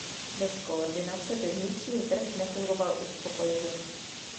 Bez koordinace by vnitřní trh nefungoval uspokojivě.